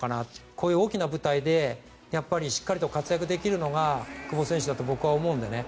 こういう大きな舞台でしっかりと活躍できるのが久保選手だと僕は思うんでね。